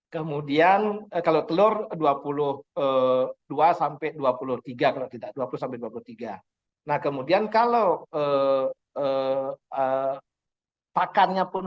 lima ribu kemudian kalau telur dua puluh dua dua puluh tiga kalau tidak dua puluh dua puluh tiga nah kemudian kalau eh eh eh pakannya pun